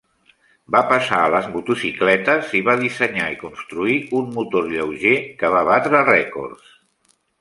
Va passar a les motocicletes i va dissenyar i construir un motor lleuger que va batre rècords.